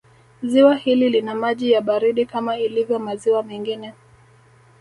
Ziwa hili lina maji ya baridi kama ilivyo maziwa mengine